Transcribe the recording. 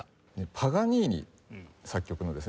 パガニーニ作曲のですね